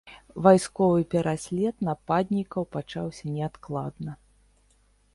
Вайсковы пераслед нападнікаў пачаўся неадкладна.